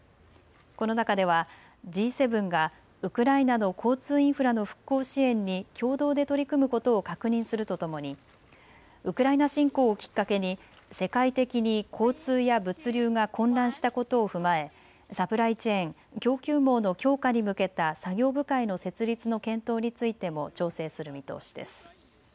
この中ではＧ７がウクライナの交通インフラの復興支援に共同で取り組むことを確認するとともにウクライナ侵攻をきっかけに世界的に交通や物流が混乱したことを踏まえサプライチェーン・供給網の強化に向けた作業部会の設立の検討についても調整する見通しです。